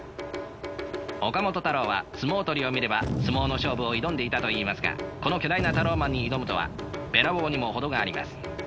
岡本太郎は相撲取りを見れば相撲の勝負を挑んでいたといいますがこの巨大なタローマンに挑むとはべらぼうにも程があります。